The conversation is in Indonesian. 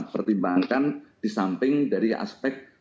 pertimbangkan di samping dari aspek